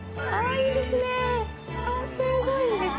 いいですね。